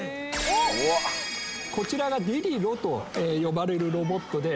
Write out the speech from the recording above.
こちらがＤｅｌｉＲｏと呼ばれるロボットで。